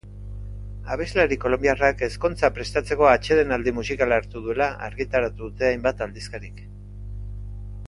Abeslari kolonbiarrak ezkontza prestatzeko atsedenaldi musikala hartu duela argitaratu dute hainbat aldizkaritan.